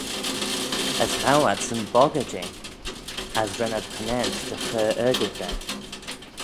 As ghow adsyn boggey jeh, as ren ad conaant dy chur argid da.